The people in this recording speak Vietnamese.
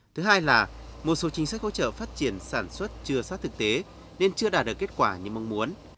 thứ hai là một số chính sách hỗ trợ phát triển sản xuất chưa sát thực tế nên chưa đạt được kết quả như mong muốn